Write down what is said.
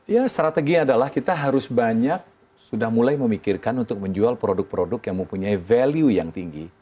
ya strategi adalah kita harus banyak sudah mulai memikirkan untuk menjual produk produk yang mempunyai value yang tinggi